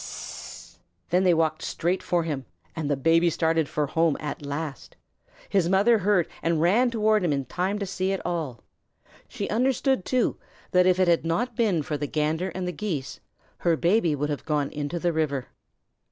"S s s s s! S s s s s!" Then they walked straight for him, and the Baby started home at last. His mother heard and ran toward him in time to see it all. She understood, too, that if it had not been for the Gander and the Geese, her Baby would have gone into the river.